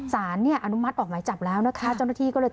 สารเนี่ยอนุมัติออกหมายจับแล้วนะคะ